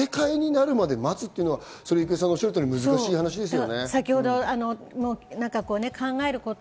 建て替えになるまで待つっていうのは郁恵さんのおっしゃる通り、難しい話ですよね。